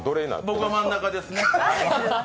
僕は真ん中ですね。